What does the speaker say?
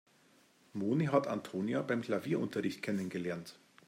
Moni hat Antonia beim Klavierunterricht kennengelernt.